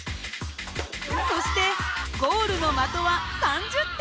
そしてゴールの的は３０点。